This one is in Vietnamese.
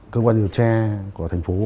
cơ quan điều tra của thành phố